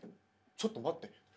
ちょっと待って。